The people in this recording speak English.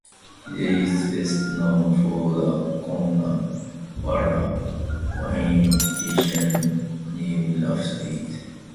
It is best known for the Coonawarra wine region named after it.